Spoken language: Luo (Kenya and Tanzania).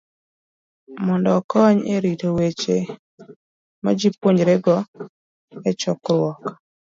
mondo okony e rito weche majipuonjorego e chokruok.